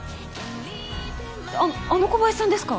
あっあの小林さんですか？